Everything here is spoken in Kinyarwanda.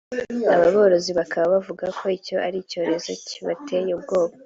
Abo borozi bakaba bavuga ko icyo ari icyorezo kibateye ubwoba